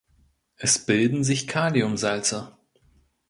Es bilden sich Kaliumsalze.